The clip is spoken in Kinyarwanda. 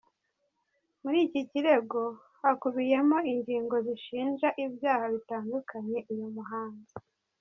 Muri iki kirego hakubiyemo ingingo zishinja ibyaha bitandukanye uyu muhanzi.